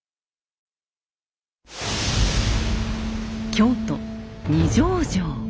京都・二条城。